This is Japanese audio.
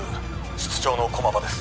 室長の駒場です